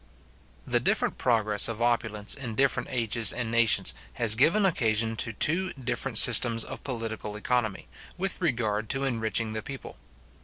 The different progress of opulence in different ages and nations, has given occasion to two different systems of political economy, with regard to enriching the people.